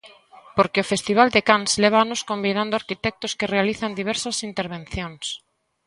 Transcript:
Porque o Festival de Cans leva anos convidando arquitectos que realizan diversas intervencións.